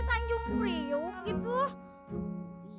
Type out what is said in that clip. sanjung priung gitu